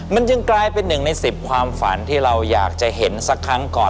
มันจึงกลายเป็นหนึ่งใน๑๐ความฝันที่เราอยากจะเห็นสักครั้งก่อน